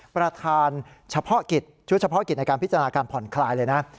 ประธานเฉพาะกิจชุดเฉพาะกิจในการพิจารณาการผ่อนคลายเลยนะ